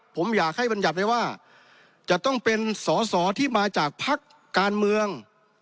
ผมอยากให้บรรยัติได้ว่าจะต้องเป็นสอสอที่มาจากพักการเมือง